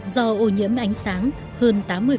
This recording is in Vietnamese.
do ô nhiễm ánh sáng hơn tám mươi